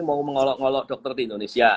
mau mengolok ngolok dokter di indonesia